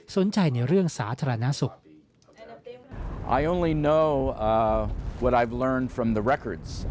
ในเรื่องสาธารณสุข